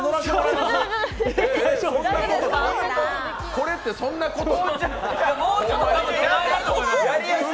これってそんなこと？